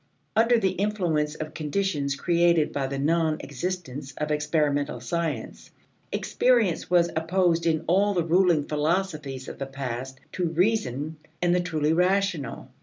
Under the influence of conditions created by the non existence of experimental science, experience was opposed in all the ruling philosophies of the past to reason and the truly rational.